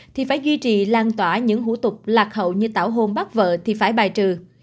thì phải duy trì lan tỏa những hủ tục lạc hậu như tảo hôn bắt vợ thì phải bài trừ